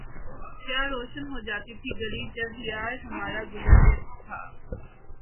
کیا روشن ہو جاتی تھی گلی جب یار ہمارا گزرے تھا